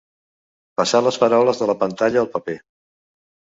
Passar les paraules de la pantalla al paper.